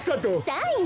サイン。